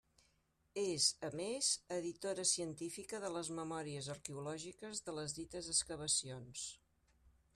És, a més, editora científica de les memòries arqueològiques de les dites excavacions.